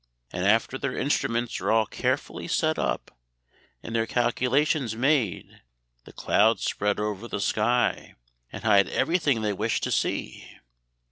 And after their instruments are all carefully set up, and their calculations made, the clouds spread over the sky, and hide everything they wish to see.